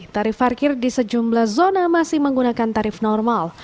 tarif parkir di sejumlah zona masih menggunakan tarif normal